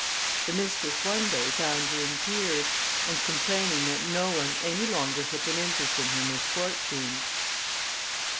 The mistress one day found her in tears, and complaining that no one any longer took an interest in her misfortunes.